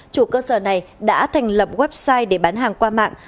chủ cơ sở này đã thành lập website để bán hàng qua mạng